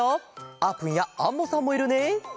あーぷんやアンモさんもいるね。